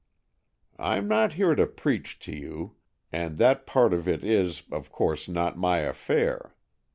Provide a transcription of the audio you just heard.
"I'm not here to preach to you, and that part of it is, of course, not my affair.